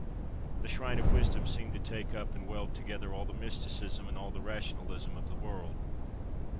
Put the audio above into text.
The Shrine of Wisdom seemed to take up and weld together all the mysticism and all the rationalism of the world.